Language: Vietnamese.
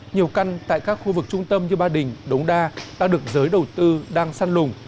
nhiều căn tại các khu vực trung tâm như ba đình đống đa đã được giới đầu tư đang săn lùng